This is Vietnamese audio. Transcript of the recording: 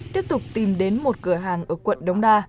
tiếp tục tìm đến một cửa hàng ở quận đống đa